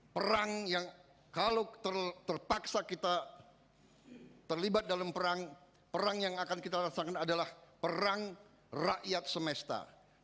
perang yang kalau terpaksa kita terlibat dalam perang perang yang akan kita rasakan adalah perang rakyat semesta